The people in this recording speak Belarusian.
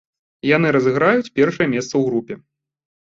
Яны разыграюць першае месца ў групе.